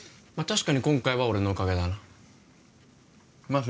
確かに今回は俺のおかげだなまっ